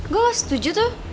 gue gak setuju tuh